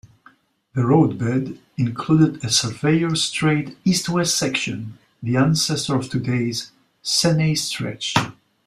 The roadbed included a surveyor-straight east-west section, the ancestor of today's "Seney stretch".